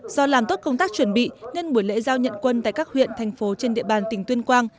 do làm tốt công tác chuẩn bị nên buổi lễ giao nhận quân tại các huyện thành phố trên địa bàn tỉnh tuyên quang